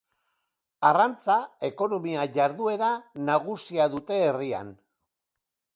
Arrantza ekonomia jarduera nagusia dute herrian.